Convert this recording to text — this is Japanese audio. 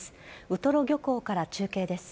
ウトロ漁港から中継です。